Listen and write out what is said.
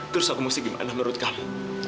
terus aku mesti gimana menurut kamu